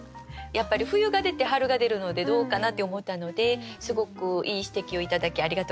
やっぱり「冬」が出て「春」が出るのでどうかなって思ったのですごくいい指摘を頂きありがとうございました。